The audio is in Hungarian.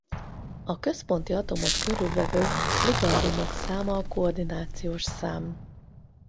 A központi atomot körülvevő ligandumok száma a koordinációs szám.